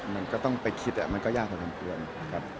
มันก็ต้องไปคิดมันก็ยากพอสมควรครับ